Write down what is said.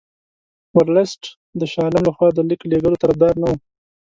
ورلسټ د شاه عالم له خوا د لیک لېږلو طرفدار نه وو.